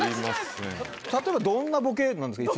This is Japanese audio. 例えばどんなボケなんですか？